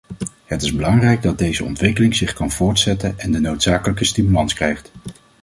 Het is belangrijk dat deze ontwikkeling zich kan voortzetten en de noodzakelijke stimulans krijgt.